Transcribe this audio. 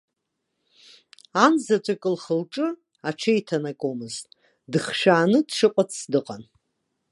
Ан заҵәык лхы-лҿы аҽеиҭанакуамызт, дыхшәааны дшыҟац дыҟан.